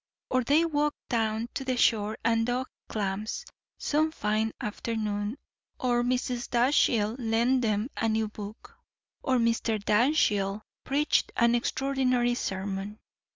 Or they walked down to the shore and dug clams, some fine afternoon; or Mrs. Dashiell lent them a new book; or Mr. Dashiell preached an extraordinary sermon.